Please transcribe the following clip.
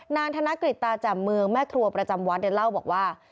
ธนกฤษตาแจ่มเมืองแม่ครัวประจำวัดเนี่ยเล่าบอกว่า